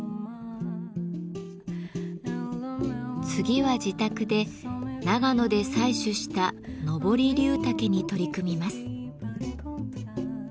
次は自宅で長野で採取したノボリリュウタケに取り組みます。